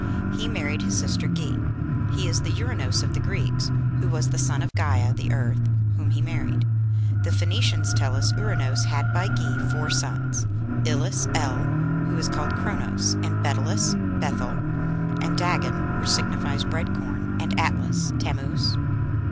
He married his sister Ge. He is the Uranos of the Greeks, who was the son of Gæa (the earth), whom he married. The Phoenicians tell us, "Ouranos had by Ge four sons: Ilus (El), who is called Chronos, and Betylus (Beth El), and Dagon, which signifies bread corn, and Atlas (Tammuz?)."